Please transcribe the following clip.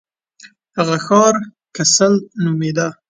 هغه ښار کسل نومیده.